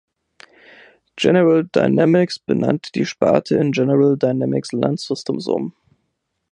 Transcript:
General Dynamics benannte die Sparte in „General Dynamics Land Systems“ um.